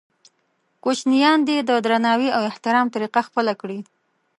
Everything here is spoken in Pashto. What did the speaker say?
کوچنیان دې د درناوي او احترام طریقه خپله کړي.